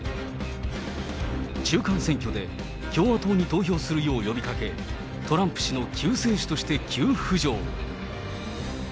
中間選挙で共和党に投票するよう呼びかけ、トランプ氏の救世主として急浮上。